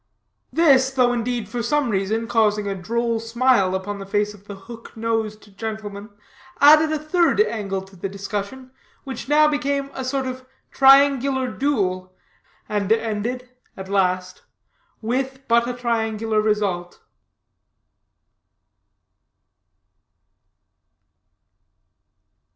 This, though indeed for some reason causing a droll smile upon the face of the hook nosed gentleman, added a third angle to the discussion, which now became a sort of triangular duel, and ended, at last, with but a triangular result.